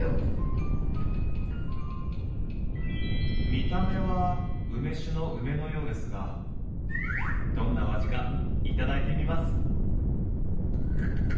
見た目は梅酒の梅のようですがどんなお味か頂いてみます！